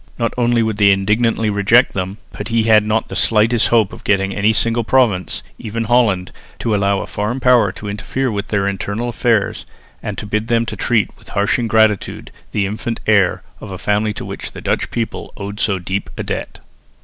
Not only would they indignantly reject them, but he had not the slightest hope of getting any single province, even Holland, to allow a foreign power to interfere with their internal affairs and to bid them to treat with harsh ingratitude the infant heir of a family to which the Dutch people owed so deep a debt.